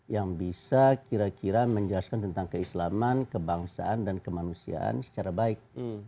yang bisa kira kira menjelaskan tentang keislaman kebangsaan dan kemanusiaan secara baik